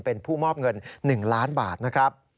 เป็นผู้มอบเงิน๑ล้านบาทนะครับ